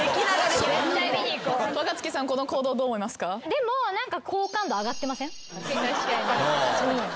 でも何か。